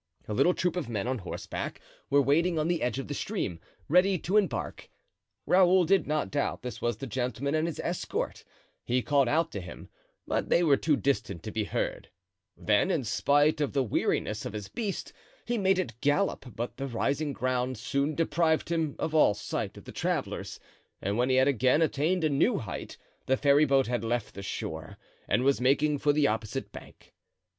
A little troop of men on horseback were waiting on the edge of the stream, ready to embark. Raoul did not doubt this was the gentleman and his escort; he called out to him, but they were too distant to be heard; then, in spite of the weariness of his beast, he made it gallop but the rising ground soon deprived him of all sight of the travelers, and when he had again attained a new height, the ferryboat had left the shore and was making for the opposite bank.